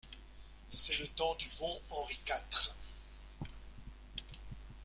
C'est le temps du bon Henri quatre.